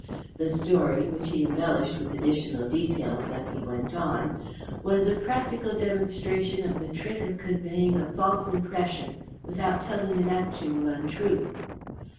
The story, which he embellished with additional details as he went on, was a practical demonstration of the trick of conveying a false impression without telling an actual untruth.